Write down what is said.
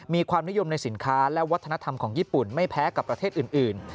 มีความนิยมในสินค้าและวัฒนธรรมของญี่ปุ่นไม่แพ้กับประเทศอื่น